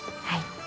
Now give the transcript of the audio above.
はい。